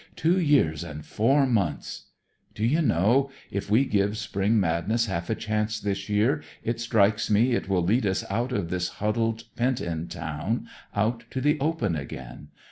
Two years and four months. Do you know, if we give spring madness half a chance this year, it strikes me it will lead us out of this huddled, pent in town, out to the open again.